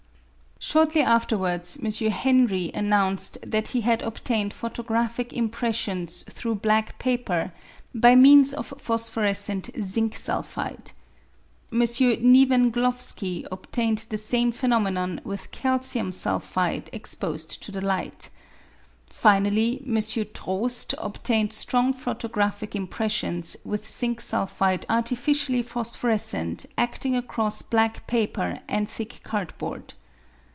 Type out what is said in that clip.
Shortly afterwards, M. Henry announced that he had obtained photographic impressions through black paper by means of phosphorescent zinc sulphide. M. Niewenglowski obtained the same phenomenon with calcium sulphide ex posed to the light. Finally, M. Troost obtained strong photographic impressions with zinc sulphide artificially phosphorescent adting across black paper and thick card board.